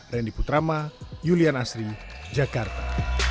randy putrama julian asri jakarta